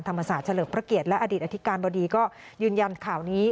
ธรรมศาสตร์เฉลิมพระเกียรติและอดีตอธิการบดีก็ยืนยันข่าวนี้